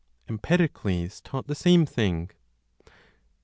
EMPEDOCLES TAUGHT THE SAME THING.